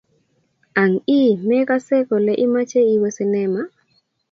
Ang ii, mekasekei kole imache iwe sinema?